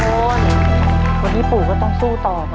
พระผู้ชมพอที่ปูก็ต้องสู้ต่อนะ